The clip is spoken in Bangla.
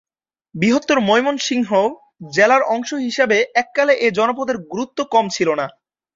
বৃহত্তর ময়মনসিংহ জেলার অংশ হিসাবে এককালে এ জনপদের গুরুত্ব কম ছিল না।